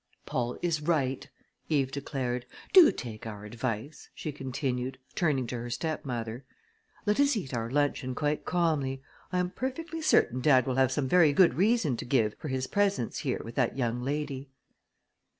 "Paul is right!" Eve declared. "Do take our advice!" she continued, turning to her stepmother. "Let us eat our luncheon quite calmly. I am perfectly certain dad will have some very good reason to give for his presence here with that young lady."